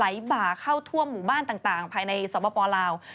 บ่าเข้าท่วมหมู่บ้านต่างภายในสปลาว